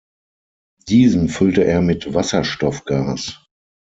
Diesen füllte er mit Wasserstoffgas.